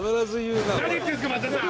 何言ってるんですか松田さん